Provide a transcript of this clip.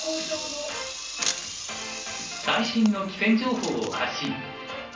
最新の棋戦情報を発信。